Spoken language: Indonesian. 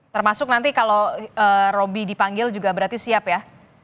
termasuk nanti kalau roby dipanggil juga berarti siap ya